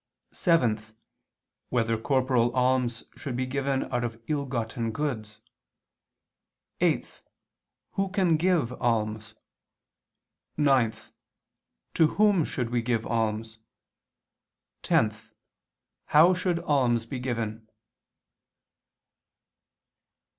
(7) Whether corporal alms should be given out of ill gotten goods? (8) Who can give alms? (9) To whom should we give alms? (10) How should alms be given?